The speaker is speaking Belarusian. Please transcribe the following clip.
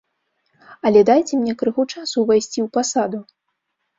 Але дайце мне крыху часу ўвайсці ў пасаду.